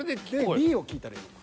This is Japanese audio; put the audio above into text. Ｂを聞いたらいいのか。